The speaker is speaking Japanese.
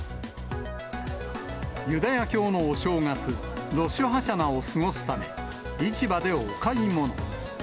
ユダヤ教のお正月、ロシュ・ハシャナを過ごすため、市場でお買い物。